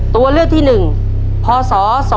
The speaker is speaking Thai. ตัวเลือกที่๑พศ๒๕๖